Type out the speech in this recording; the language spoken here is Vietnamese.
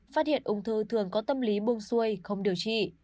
phát hiện ung thư thường có tâm lý buông xuôi không điều trị